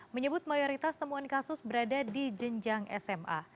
menyebut mayoritas temuan kasus berada di jenjang sma